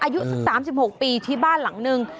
อายุสัก๓๖ปีที่บ้านหลังนึง